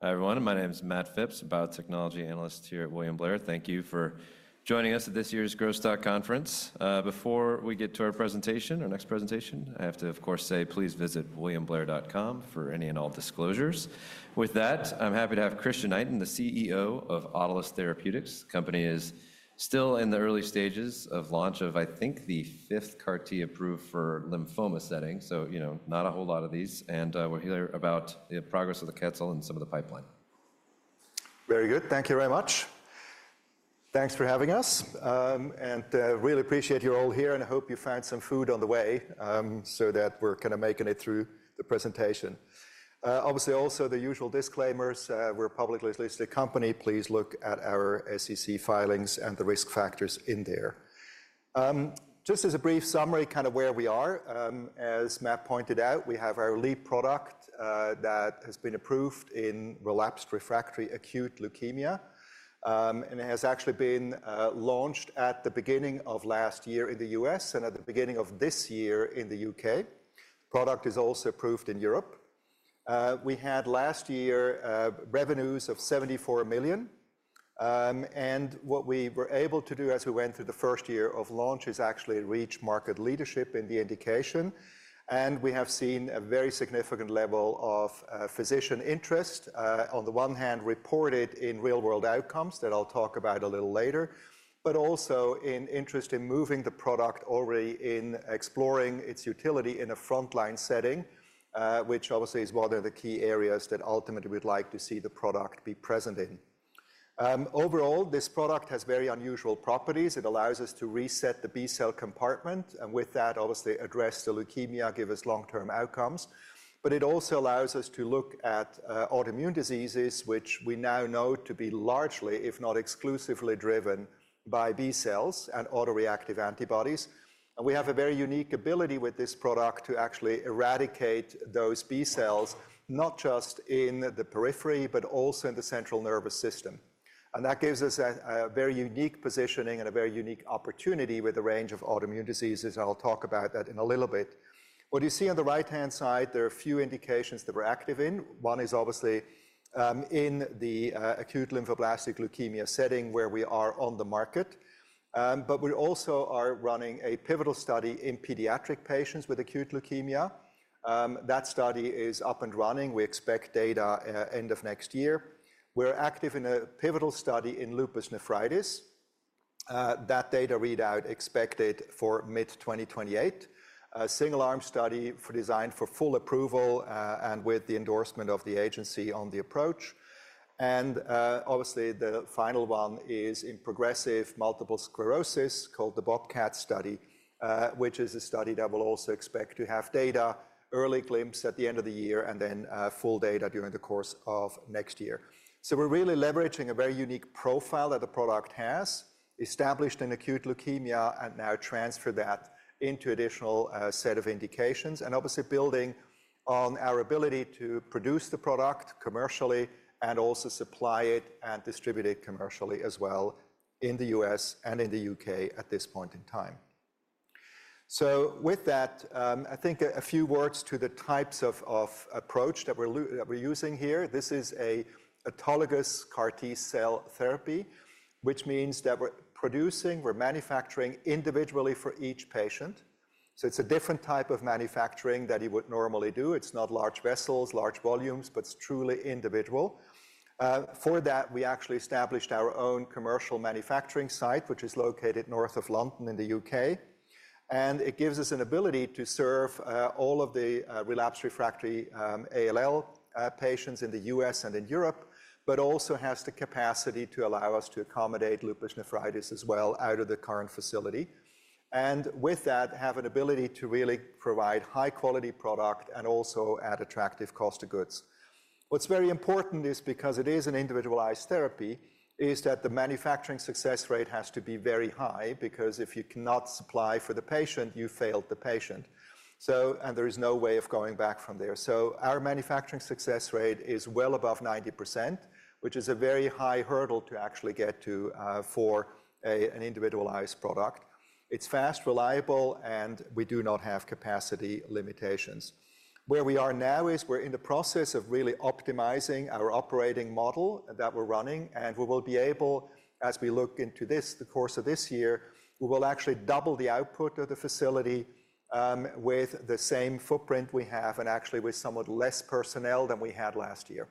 Hi, everyone. My name is Matt Phipps, a biotechnology analyst here at William Blair. Thank you for joining us at this year's Growth Stock Conference. Before we get to our next presentation, I have to, of course, say please visit williamblair.com for any and all disclosures. With that, I'm happy to have Christian Itin, the CEO of Autolus Therapeutics. The company is still in the early stages of launch of, I think, the fifth CAR T approved for lymphoma setting. Not a whole lot of these. We're here about the progress of the obe-cel and some of the pipeline. Very good. Thank you very much. Thanks for having us. Really appreciate you all here, and I hope you found some food on the way, so that we're making it through the presentation. Also, the usual disclaimers. We're a publicly listed company. Please look at our SEC filings and the risk factors in there. Just as a brief summary kind of where we are. As Matt pointed out, we have our lead product that has been approved in relapsed refractory acute leukemia. It has actually been launched at the beginning of last year in the U.S. and at the beginning of this year in the U.K. The product is also approved in Europe. We had last year revenues of 74 million. What we were able to do as we went through the first year of launch is actually reach market leadership in the indication. We have seen a very significant level of physician interest. On the one hand, reported in real-world outcomes that I'll talk about a little later, but also in interest in moving the product already in exploring its utility in a frontline setting, which obviously is one of the key areas that ultimately we'd like to see the product be present in. This product has very unusual properties. It allows us to reset the B-cell compartment, and with that, obviously address the leukemia, give us long-term outcomes. It also allows us to look at autoimmune diseases, which we now know to be largely, if not exclusively, driven by B cells and autoreactive antibodies. We have a very unique ability with this product to actually eradicate those B cells, not just in the periphery, but also in the central nervous system. That gives us a very unique positioning and a very unique opportunity with a range of autoimmune diseases. I'll talk about that in a little bit. What you see on the right-hand side, there are a few indications that we're active in. One is obviously in the acute lymphoblastic leukemia setting where we are on the market. We also are running a pivotal study in pediatric patients with acute leukemia. That study is up and running. We expect data end of next year. We're active in a pivotal study in lupus nephritis. That data readout expected for mid-2028. A single-arm study designed for full approval, and with the endorsement of the agency on the approach. Obviously the final one is in progressive multiple sclerosis called the BOBCAT study, which is a study that we'll also expect to have data early glimpse at the end of the year, then full data during the course of next year. We're really leveraging a very unique profile that the product has established in acute leukemia and now transfer that into additional set of indications. Obviously building on our ability to produce the product commercially and also supply it and distribute it commercially as well in the U.S. and in the U.K. at this point in time. With that, I think a few words to the types of approach that we're using here. This is an autologous CAR T-cell therapy, which means that we're manufacturing individually for each patient. It's a different type of manufacturing that you would normally do. It's not large vessels, large volumes, but it's truly individual. For that, we actually established our own commercial manufacturing site, which is located north of London in the U.K. It gives us an ability to serve all of the relapsed refractory ALL patients in the U.S. and in Europe, but also has the capacity to allow us to accommodate lupus nephritis as well out of the current facility. With that, have an ability to really provide high-quality product and also at attractive cost of goods. What's very important is because it is an individualized therapy, is that the manufacturing success rate has to be very high, because if you cannot supply for the patient, you failed the patient. There is no way of going back from there. Our manufacturing success rate is well above 90%, which is a very high hurdle to actually get to for an individualized product. It's fast, reliable, and we do not have capacity limitations. Where we are now is we're in the process of really optimizing our operating model that we're running, and we will be able, as we look into the course of this year, we will actually double the output of the facility with the same footprint we have and actually with somewhat less personnel than we had last year.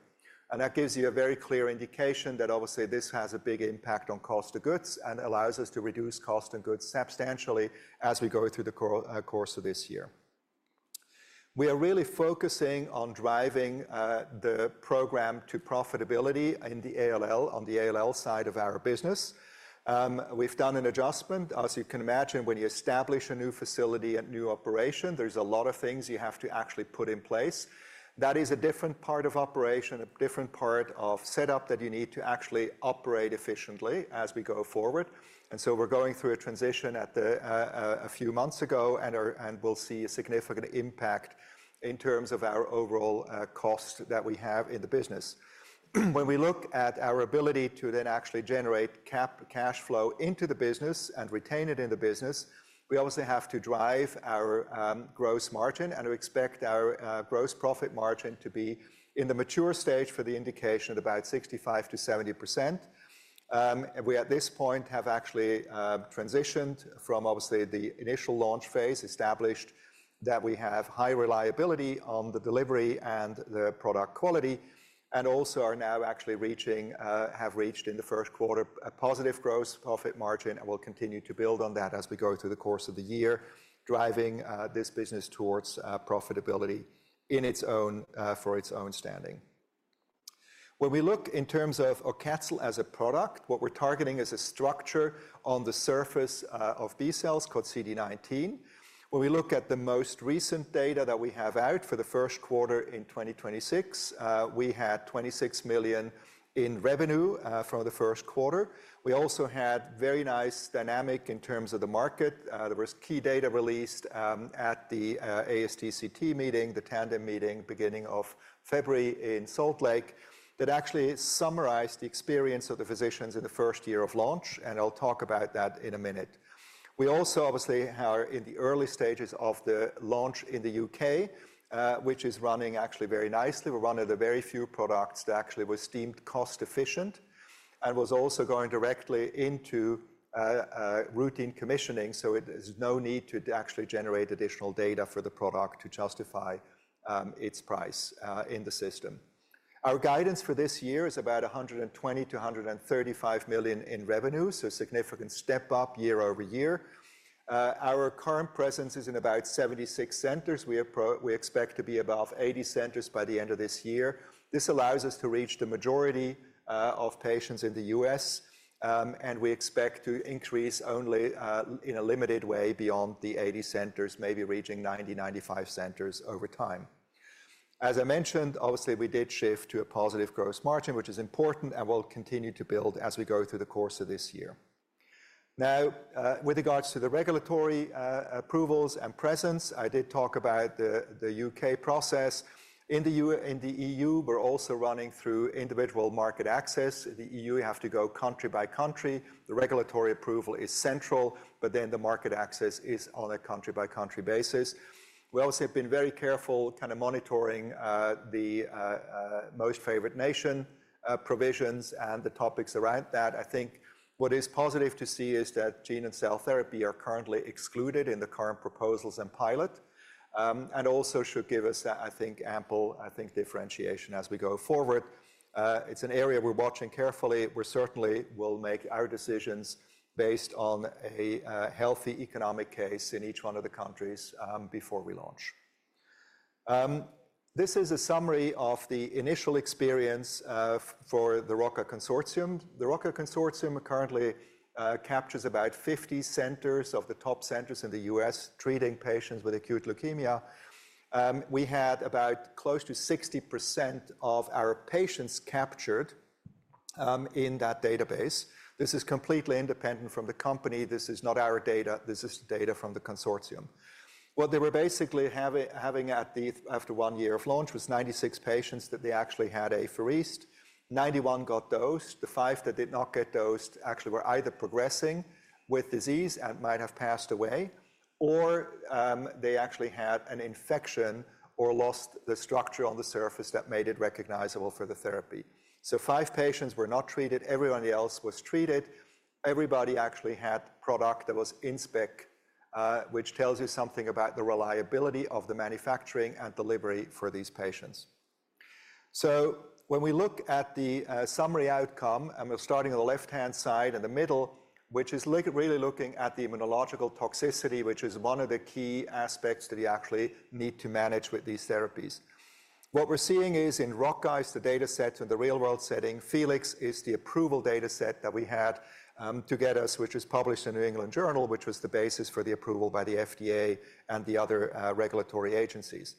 That gives you a very clear indication that obviously this has a big impact on cost of goods and allows us to reduce cost of goods substantially as we go through the course of this year. We are really focusing on driving the program to profitability on the ALL side of our business. We've done an adjustment. As you can imagine, when you establish a new facility, a new operation, there's a lot of things you have to actually put in place. That is a different part of operation, a different part of setup that you need to actually operate efficiently as we go forward. We're going through a transition a few months ago, and we'll see a significant impact in terms of our overall cost that we have in the business. When we look at our ability to then actually generate cash flow into the business and retain it in the business, we obviously have to drive our gross margin and we expect our gross profit margin to be in the mature stage for the indication at about 65%-70%. We, at this point, have actually transitioned from obviously the initial launch phase, established that we have high reliability on the delivery and the product quality, also are now actually have reached in the first quarter a positive gross profit margin and will continue to build on that as we go through the course of the year, driving this business towards profitability for its own standing. When we look in terms of AUCATZYL as a product, what we're targeting is a structure on the surface of B cells called CD19. When we look at the most recent data that we have out for the first quarter in 2026, we had $26 million in revenue from the first quarter. We also had very nice dynamic in terms of the market. There was key data released at the ASTCT meeting, the Tandem meeting, beginning of February in Salt Lake, that actually summarized the experience of the physicians in the first year of launch, and I'll talk about that in a minute. We also obviously are in the early stages of the launch in the U.K., which is running actually very nicely. We're one of the very few products that actually was deemed cost-efficient and was also going directly into routine commissioning, so there's no need to actually generate additional data for the product to justify its price in the system. Our guidance for this year is about $120 million-$135 million in revenue, so significant step-up year-over-year. Our current presence is in about 76 centers. We expect to be above 80 centers by the end of this year. This allows us to reach the majority of patients in the U.S., and we expect to increase only in a limited way beyond the 80 centers, maybe reaching 90, 95 centers over time. As I mentioned, obviously, we did shift to a positive gross margin, which is important, and will continue to build as we go through the course of this year. With regards to the regulatory approvals and presence, I did talk about the U.K. process. In the EU, we're also running through individual market access. In the EU, you have to go country by country. The regulatory approval is central, but then the market access is on a country-by-country basis. We also have been very careful monitoring the most favored nation provisions and the topics around that. What is positive to see is that gene and cell therapy are currently excluded in the current proposals and pilot, also should give us, I think ample differentiation as we go forward. It's an area we're watching carefully. We certainly will make our decisions based on a healthy economic case in each one of the countries before we launch. This is a summary of the initial experience for the ROCCA Consortium. The ROCCA Consortium currently captures about 50 centers of the top centers in the U.S. treating patients with acute leukemia. We had about close to 60% of our patients captured in that database. This is completely independent from the company. This is not our data. This is data from the consortium. What they were basically having after one year of launch was 96 patients that they actually had apheresed. 91 got dosed. The five that did not get dosed actually were either progressing with disease and might have passed away, or they actually had an infection or lost the structure on the surface that made it recognizable for the therapy. Five patients were not treated. Everybody else was treated. Everybody actually had product that was in spec, which tells you something about the reliability of the manufacturing and delivery for these patients. When we look at the summary outcome, and we're starting on the left-hand side in the middle, which is really looking at the immunological toxicity, which is one of the key aspects that you actually need to manage with these therapies. What we're seeing is in ROCCA is the dataset in the real-world setting. FELIX is the approval dataset that we had to get us, which was published in The New England Journal of Medicine, which was the basis for the approval by the FDA and the other regulatory agencies.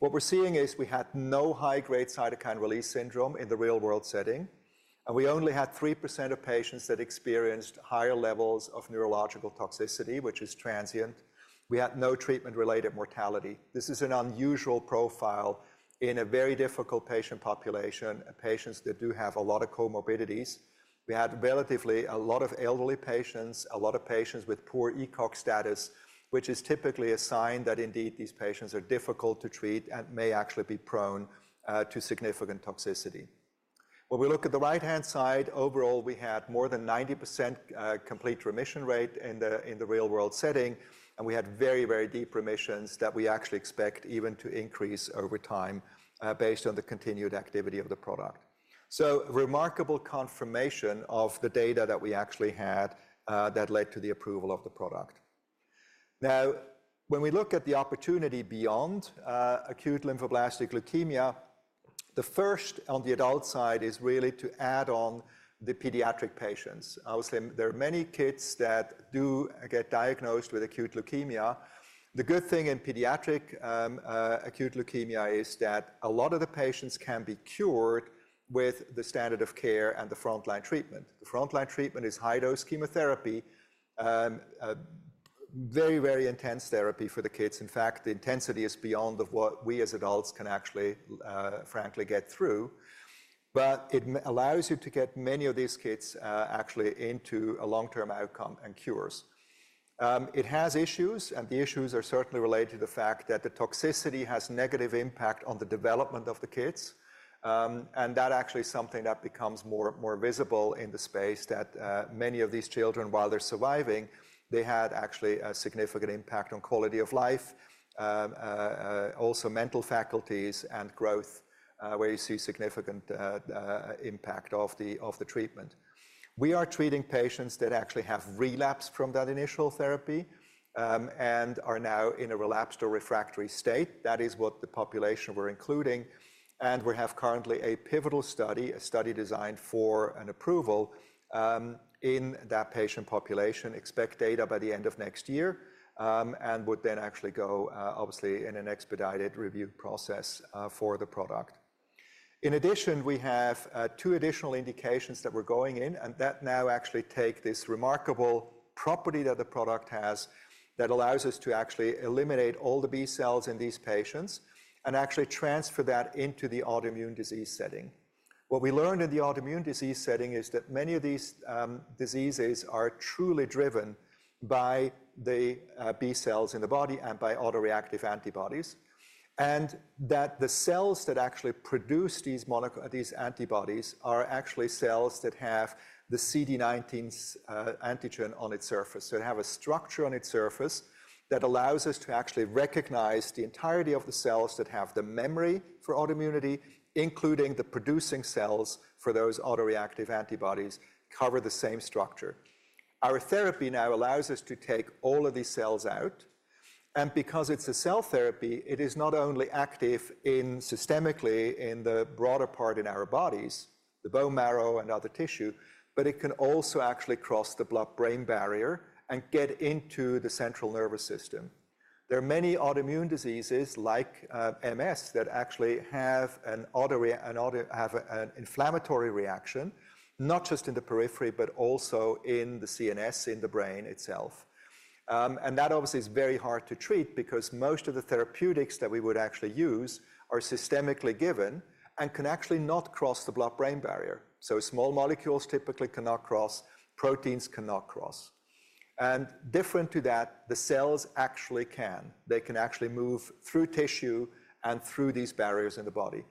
What we're seeing is we had no high-grade cytokine release syndrome in the real-world setting, and we only had 3% of patients that experienced higher levels of neurological toxicity, which is transient. We had no treatment-related mortality. This is an unusual profile in a very difficult patient population, patients that do have a lot of comorbidities. We had relatively a lot of elderly patients, a lot of patients with poor ECOG status, which is typically a sign that indeed these patients are difficult to treat and may actually be prone to significant toxicity. When we look at the right-hand side, overall, we had more than 90% complete remission rate in the real-world setting, and we had very, very deep remissions that we actually expect even to increase over time based on the continued activity of the product. Remarkable confirmation of the data that we actually had that led to the approval of the product. When we look at the opportunity beyond acute lymphoblastic leukemia, the first on the adult side is really to add on the pediatric patients. Obviously, there are many kids that do get diagnosed with acute leukemia. The good thing in pediatric acute leukemia is that a lot of the patients can be cured with the standard of care and the frontline treatment. The frontline treatment is high-dose chemotherapy. Very, very intense therapy for the kids. In fact, the intensity is beyond what we as adults can actually, frankly, get through. It allows you to get many of these kids actually into a long-term outcome and cures. It has issues, and the issues are certainly related to the fact that the toxicity has negative impact on the development of the kids. That actually is something that becomes more visible in the space that many of these children, while they're surviving, they had actually a significant impact on quality of life, also mental faculties and growth, where you see significant impact of the treatment. We are treating patients that actually have relapsed from that initial therapy and are now in a relapsed or refractory state. That is what the population we're including, and we have currently a pivotal study, a study designed for an approval in that patient population. Expect data by the end of next year, would then actually go, obviously, in an expedited review process for the product. In addition, we have two additional indications that we're going in, and that now actually take this remarkable property that the product has that allows us to actually eliminate all the B cells in these patients and actually transfer that into the autoimmune disease setting. What we learned in the autoimmune disease setting is that many of these diseases are truly driven by the B cells in the body and by autoreactive antibodies, and that the cells that actually produce these antibodies are actually cells that have the CD19's antigen on its surface. It has a structure on its surface that allows us to actually recognize the entirety of the cells that have the memory for autoimmunity, including the producing cells for those autoreactive antibodies, cover the same structure. Our therapy now allows us to take all of these cells out, and because it's a cell therapy, it is not only active systemically in the broader part in our bodies, the bone marrow and other tissue, but it can also actually cross the blood-brain barrier and get into the central nervous system. There are many autoimmune diseases like MS that actually have an inflammatory reaction, not just in the periphery, but also in the CNS, in the brain itself. That obviously is very hard to treat because most of the therapeutics that we would actually use are systemically given and can actually not cross the blood-brain barrier. Small molecules typically cannot cross, proteins cannot cross. Different to that, the cells actually can. They can actually move through tissue and through these barriers in the body.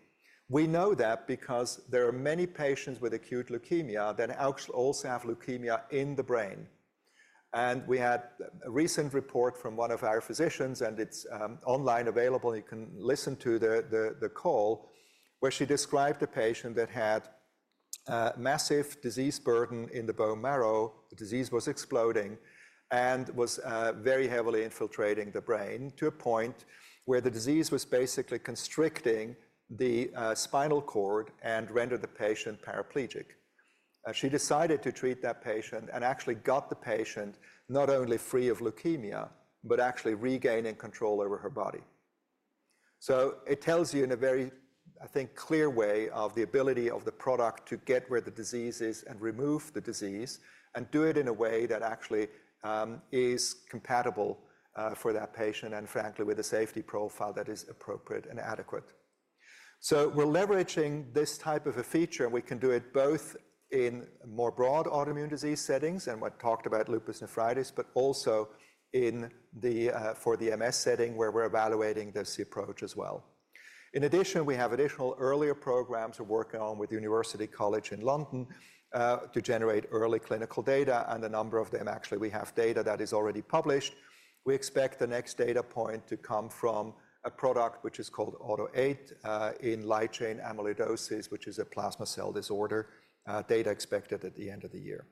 We know that because there are many patients with acute leukemia that also have leukemia in the brain. We had a recent report from one of our physicians, and it's online available, you can listen to the call, where she described a patient that had a massive disease burden in the bone marrow. The disease was exploding and was very heavily infiltrating the brain to a point where the disease was basically constricting the spinal cord and rendered the patient paraplegic. She decided to treat that patient and actually got the patient not only free of leukemia, but actually regaining control over her body. It tells you in a very, I think, clear way of the ability of the product to get where the disease is and remove the disease and do it in a way that actually is compatible for that patient and frankly, with a safety profile that is appropriate and adequate. We're leveraging this type of a feature, and we can do it both in more broad autoimmune disease settings and what talked about lupus nephritis, but also for the MS setting where we're evaluating this approach as well. In addition, we have additional earlier programs we're working on with University College London to generate early clinical data, and a number of them actually we have data that is already published. We expect the next data point to come from a product which is called AUTO8 in light chain amyloidosis, which is a plasma cell disorder. Data expected at the end of the year.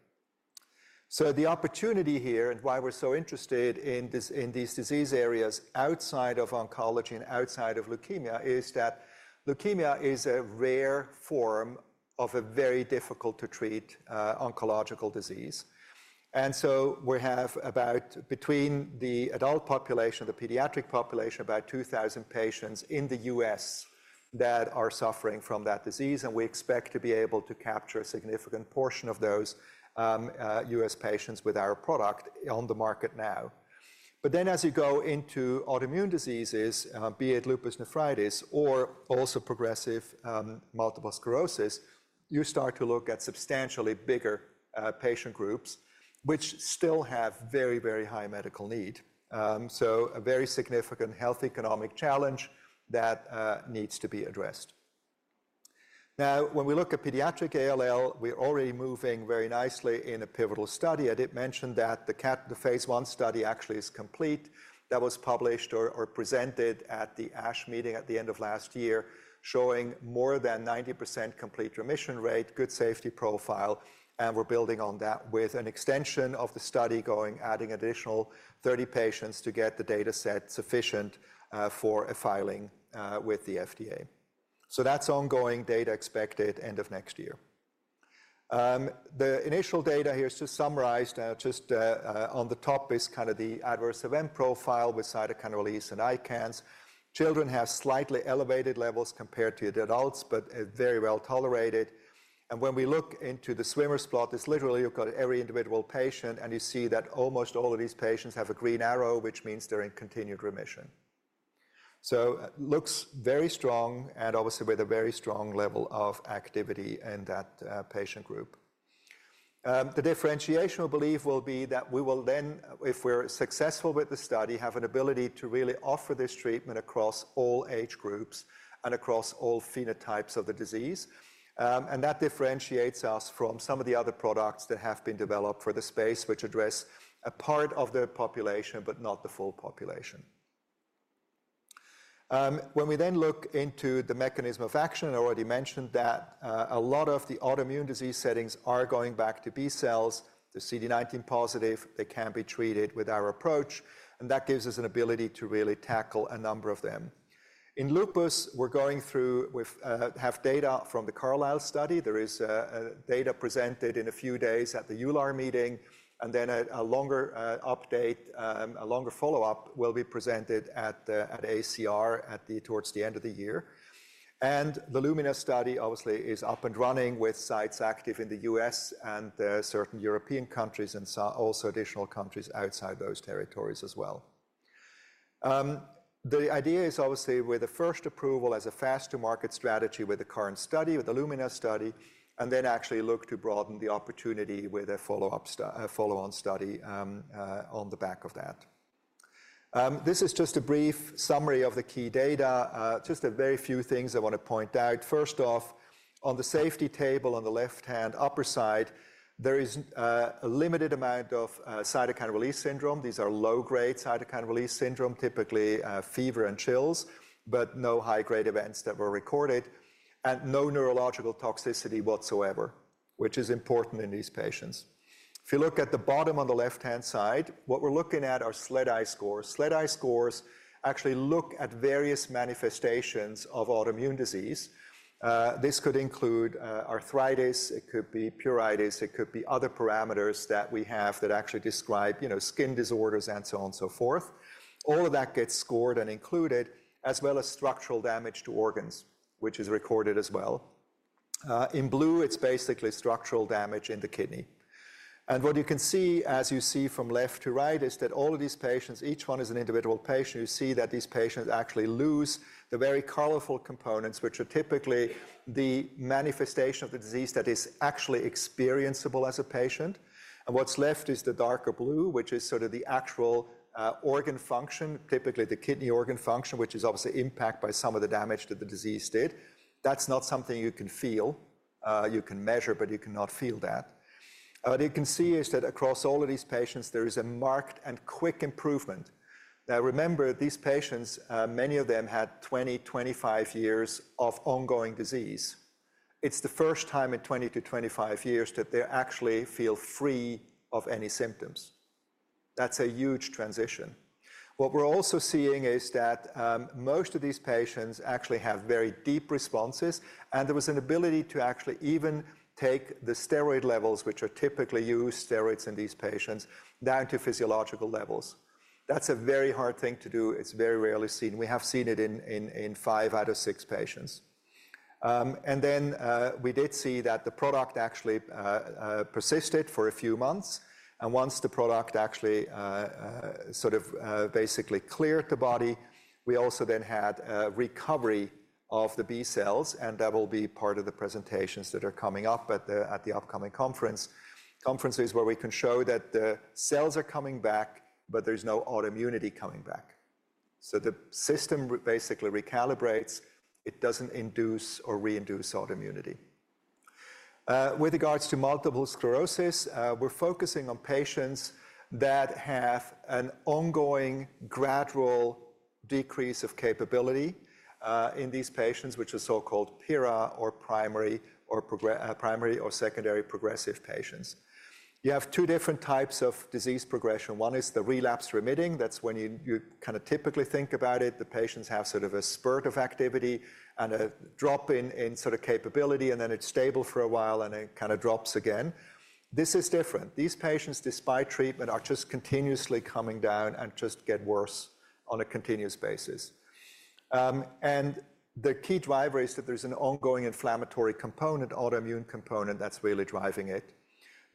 The opportunity here and why we're so interested in these disease areas outside of oncology and outside of leukemia is that leukemia is a rare form of a very difficult to treat oncological disease. We have about between the adult population, the pediatric population, about 2,000 patients in the U.S. that are suffering from that disease, and we expect to be able to capture a significant portion of those U.S. patients with our product on the market now. As you go into autoimmune diseases, be it lupus nephritis or also progressive multiple sclerosis, you start to look at substantially bigger patient groups, which still have very, very high medical need. A very significant health economic challenge that needs to be addressed. When we look at pediatric ALL, we're already moving very nicely in a pivotal study. I did mention that the phase I study actually is complete. That was published or presented at the ASH Meeting at the end of last year, showing more than 90% complete remission rate, good safety profile, and we're building on that with an extension of the study going, adding additional 30 patients to get the data set sufficient for a filing with the FDA. That's ongoing data expected end of next year. The initial data here is to summarize. Just on the top is the adverse event profile with cytokine release in ICANS. Children have slightly elevated levels compared to the adults, but very well tolerated. When we look into the swimmer's plot, it's literally you've got every individual patient, and you see that almost all of these patients have a green arrow, which means they're in continued remission. Looks very strong and obviously with a very strong level of activity in that patient group. The differentiation, we believe, will be that we will then, if we're successful with the study, have an ability to really offer this treatment across all age groups and across all phenotypes of the disease. That differentiates us from some of the other products that have been developed for the space, which address a part of the population, but not the full population. When we then look into the mechanism of action, I already mentioned that a lot of the autoimmune disease settings are going back to B cells, the CD19 positive, they can be treated with our approach, and that gives us an ability to really tackle a number of them. In lupus, we have data from the CARLYSLE study. There is data presented in a few days at the EULAR meeting, and then a longer follow-up will be presented at ACR towards the end of the year. The LUMINA study, obviously, is up and running with sites active in the U.S. and certain European countries and also additional countries outside those territories as well. The idea is obviously with the first approval as a fast to market strategy with the current study, with the LUMINA study, and then actually look to broaden the opportunity with a follow-on study on the back of that. This is just a brief summary of the key data. Just a very few things I want to point out. First off, on the safety table on the left-hand upper side, there is a limited amount of cytokine release syndrome. These are low-grade cytokine release syndrome, typically fever and chills, but no high-grade events that were recorded and no neurological toxicity whatsoever, which is important in these patients. If you look at the bottom on the left-hand side, what we're looking at are SLEDAI scores. SLEDAI scores actually look at various manifestations of autoimmune disease. This could include arthritis, it could be pruritus, it could be other parameters that we have that actually describe skin disorders and so on and so forth. All of that gets scored and included, as well as structural damage to organs, which is recorded as well. In blue, it's basically structural damage in the kidney. What you can see as you see from left to right, is that all of these patients, each one is an individual patient. You see that these patients actually lose the very colorful components, which are typically the manifestation of the disease that is actually experienceable as a patient. What's left is the darker blue, which is sort of the actual organ function, typically the kidney organ function, which is obviously impacted by some of the damage that the disease did. That's not something you can feel. You can measure, but you cannot feel that. What you can see is that across all of these patients, there is a marked and quick improvement. Remember, these patients, many of them had 20, 25 years of ongoing disease. It's the first time in 20 to 25 years that they actually feel free of any symptoms. That's a huge transition. What we're also seeing is that most of these patients actually have very deep responses, and there was an ability to actually even take the steroid levels, which are typically used, steroids in these patients, down to physiological levels. That's a very hard thing to do. It's very rarely seen. We have seen it in five out of six patients. We did see that the product actually persisted for a few months, and once the product actually sort of basically cleared the body, we also then had a recovery of the B cells, and that will be part of the presentations that are coming up at the upcoming conferences where we can show that the cells are coming back, but there's no autoimmunity coming back. The system basically recalibrates. It doesn't induce or re-induce autoimmunity. With regards to multiple sclerosis, we're focusing on patients that have an ongoing gradual decrease of capability in these patients, which is so-called PIRA or primary or secondary progressive patients. You have 2 different types of disease progression. One is the relapse remitting. That's when you kind of typically think about it. The patients have sort of a spurt of activity and a drop in capability, and then it's stable for a while and it kind of drops again. This is different. These patients, despite treatment, are just continuously coming down and just get worse on a continuous basis. The key driver is that there's an ongoing inflammatory component, autoimmune component, that's really driving it.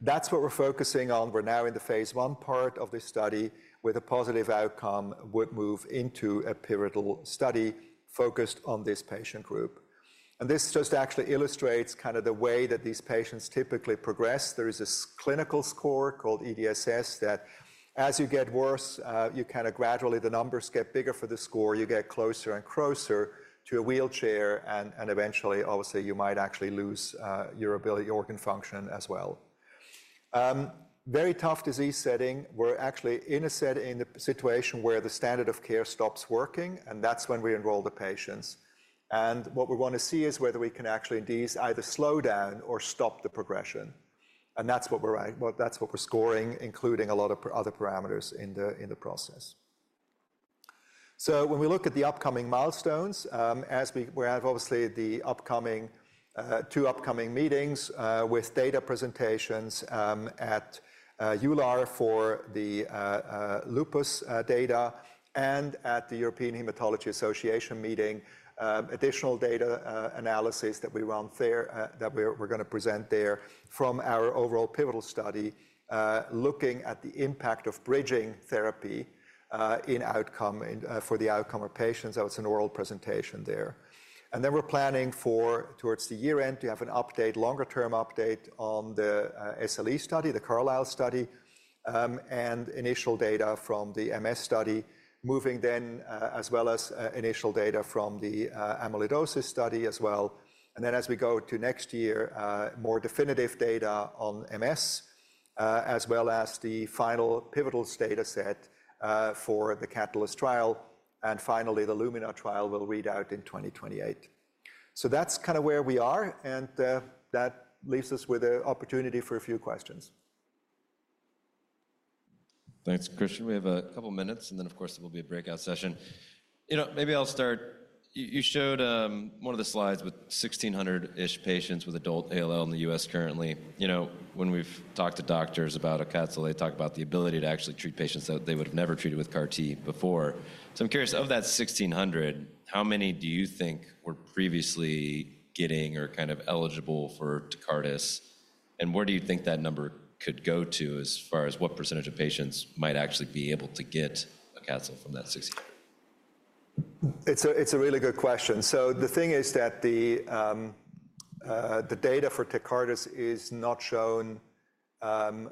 That's what we're focusing on. We're now in the phase I part of this study, where the positive outcome would move into a pivotal study focused on this patient group. This just actually illustrates the way that these patients typically progress. There is this clinical score called EDSS that as you get worse, gradually the numbers get bigger for the score. You get closer and closer to a wheelchair, and eventually, obviously, you might actually lose your organ function as well. Very tough disease setting. We're actually in a situation where the standard of care stops working, and that's when we enroll the patients. What we want to see is whether we can actually indeed either slow down or stop the progression. That's what we're scoring, including a lot of other parameters in the process. When we look at the upcoming milestones, we have obviously two upcoming meetings with data presentations at EULAR for the lupus data and at the European Hematology Association meeting, additional data analysis that we run there that we're going to present there from our overall pivotal study, looking at the impact of bridging therapy for the outcome of patients. That was an oral presentation there. We're planning for towards the year-end to have a longer-term update on the SLE study, the CARLYSLE study, and initial data from the MS study, moving then as well as initial data from the amyloidosis study as well. As we go to next year, more definitive data on MS. As well as the final pivotal dataset for the CATALYST trial. Finally, the LUMINA trial will read out in 2028. That's where we are, and that leaves us with an opportunity for a few questions. Thanks, Christian. We have a couple of minutes and then, of course, there will be a breakout session. Maybe I'll start. You showed one of the slides with 1,600-ish patients with adult ALL in the U.S. currently. When we've talked to doctors about AUCATZYL, they talk about the ability to actually treat patients that they would've never treated with CAR T before. I'm curious, of that 1,600, how many do you think were previously getting or eligible for TECARTUS? Where do you think that number could go to as far as what percentage of patients might actually be able to get AUCATZYL from that 1,600? It's a really good question. The thing is that the data for TECARTUS is not shown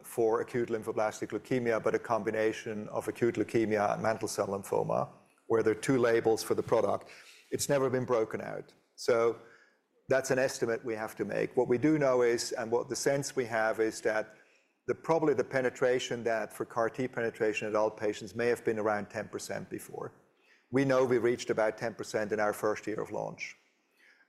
for acute lymphoblastic leukemia, but a combination of acute leukemia and mantle cell lymphoma, where there are two labels for the product. It's never been broken out. That's an estimate we have to make. What we do know is, and what the sense we have is that probably the penetration that for CAR T penetration in adult patients may have been around 10% before. We know we reached about 10% in our first year of launch.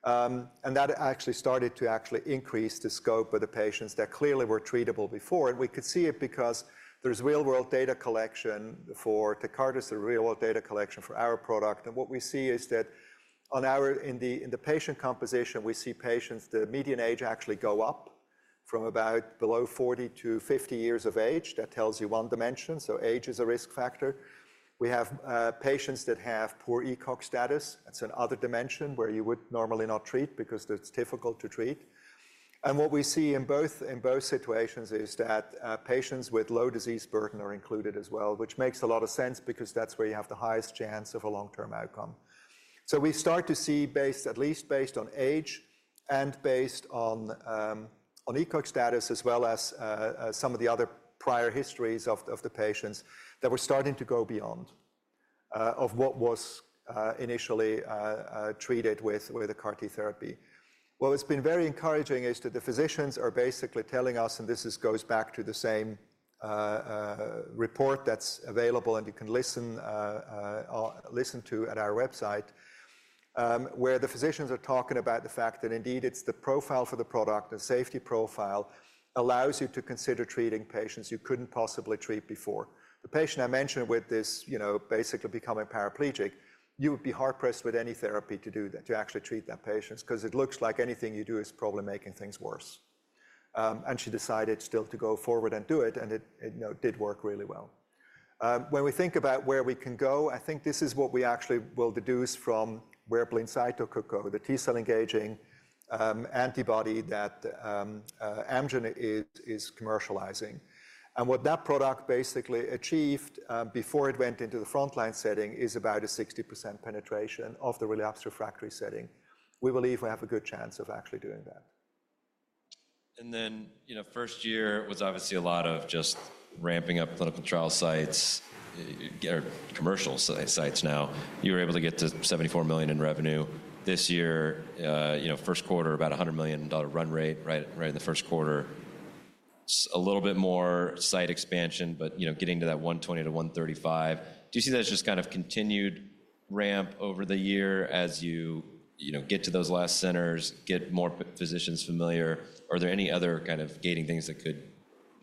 That actually started to actually increase the scope of the patients that clearly were treatable before. We could see it because there's real-world data collection for TECARTUS, the real-world data collection for our product. What we see is that in the patient composition, we see patients, the median age actually go up from about below 40 to 50 years of age. That tells you one dimension. Age is a risk factor. We have patients that have poor ECOG status. That's another dimension where you would normally not treat because it's difficult to treat. What we see in both situations is that patients with low disease burden are included as well, which makes a lot of sense because that's where you have the highest chance of a long-term outcome. We start to see, at least based on age and based on ECOG status as well as some of the other prior histories of the patients, that we're starting to go beyond of what was initially treated with the CAR T therapy. What has been very encouraging is that the physicians are basically telling us, this goes back to the same report that's available, you can listen to at our website, where the physicians are talking about the fact that indeed it's the profile for the product. The safety profile allows you to consider treating patients you couldn't possibly treat before. The patient I mentioned with this basically becoming paraplegic, you would be hard-pressed with any therapy to do that, to actually treat that patient, because it looks like anything you do is probably making things worse. She decided still to go forward and do it, and it did work really well. When we think about where we can go, I think this is what we actually will deduce from where BLINCYTO could go, the T-cell engaging antibody that Amgen is commercializing. What that product basically achieved, before it went into the frontline setting, is about a 60% penetration of the relapsed refractory setting. We believe we have a good chance of actually doing that. First year was obviously a lot of just ramping up clinical trial sites or commercial sites now. You were able to get to $74 million in revenue this year. First quarter, about $100 million run rate right in the first quarter. A little bit more site expansion, but getting to that $120 million-$135 million. Do you see those just continued ramp over the year as you get to those last centers, get more physicians familiar? Are there any other gating things that could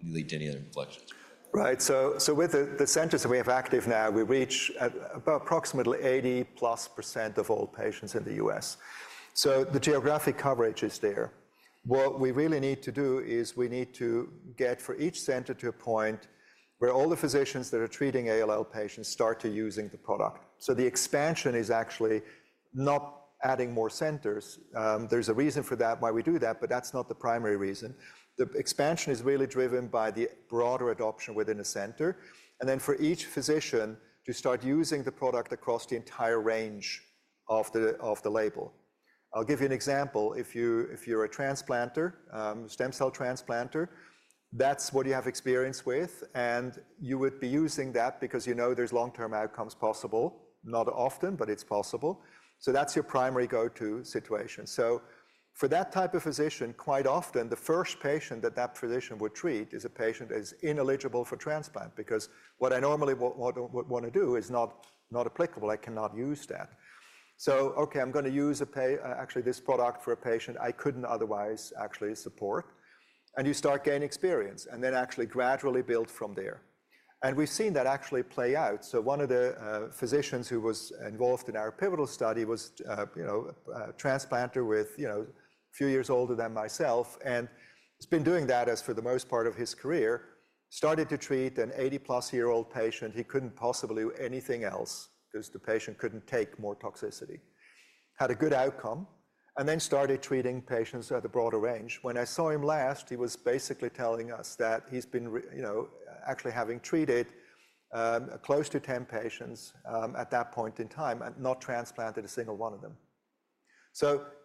lead to any other inflections? With the centers that we have active now, we reach about approximately 80-plus % of all patients in the U.S. The geographic coverage is there. What we really need to do is we need to get for each center to a point where all the physicians that are treating ALL patients start to using the product. The expansion is actually not adding more centers. There's a reason for that, why we do that, but that's not the primary reason. The expansion is really driven by the broader adoption within a center. For each physician to start using the product across the entire range of the label. I'll give you an example. If you're a stem cell transplanter, that's what you have experience with, and you would be using that because you know there's long-term outcomes possible. Not often, but it's possible. That's your primary go-to situation. For that type of physician, quite often the first patient that physician would treat is a patient that is ineligible for transplant because what I normally would want to do is not applicable. I cannot use that. Okay, I'm going to use actually this product for a patient I couldn't otherwise actually support. You start gaining experience and then actually gradually build from there. We've seen that actually play out. One of the physicians who was involved in our pivotal study was a transplanter with a few years older than myself, and he's been doing that for the most part of his career. Started to treat an 80-plus-year-old patient. He couldn't possibly do anything else because the patient couldn't take more toxicity. Had a good outcome and then started treating patients at the broader range. When I saw him last, he was basically telling us that he's been actually having treated close to 10 patients at that point in time and not transplanted a single one of them.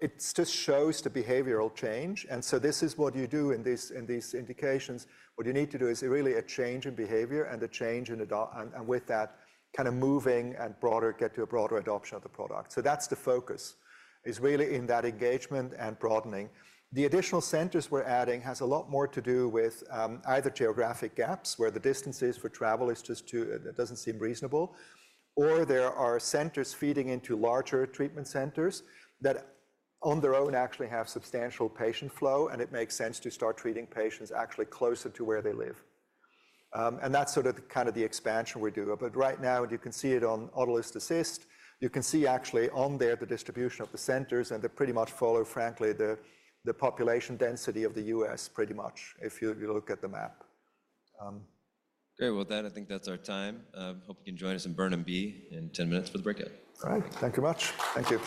It just shows the behavioral change. This is what you do in these indications. What you need to do is really a change in behavior and with that kind of moving and get to a broader adoption of the product. That's the focus, is really in that engagement and broadening. The additional centers we're adding has a lot more to do with either geographic gaps where the distances for travel it doesn't seem reasonable, or there are centers feeding into larger treatment centers that on their own actually have substantial patient flow, and it makes sense to start treating patients actually closer to where they live. That's sort of the expansion we do. Right now, you can see it on AutolusAssist. You can see actually on there the distribution of the centers, and they pretty much follow, frankly, the population density of the U.S. pretty much, if you look at the map. Great. With that, I think that's our time. Hope you can join us in Burnham B in 10 minutes for the breakout. All right. Thank you much. Thank you.